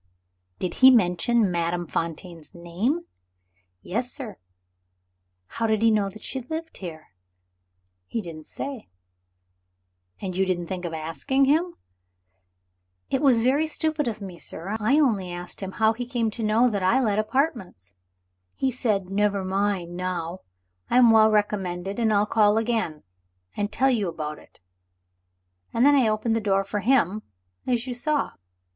"Did he mention Madame Fontaine's name?" "Yes, sir." "How did he know that she lived here?" "He didn't say." "And you didn't think of asking him?" "It was very stupid of me, sir I only asked him how he came to know that I let apartments. He said, 'Never mind, now; I am well recommended, and I'll call again, and tell you about it.' And then I opened the door for him, as you saw."